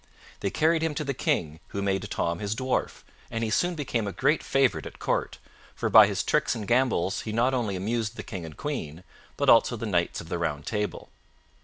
They carried him to the King, who made Tom his dwarf, and he soon became a great favorite at court; for by his tricks and gambols he not only amused the King and Queen, but also the Knights of the Round Table.